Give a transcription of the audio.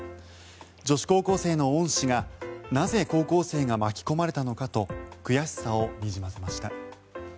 女子高校生の恩師がなぜ高校生が巻き込まれたのかと悔しさをにじませました。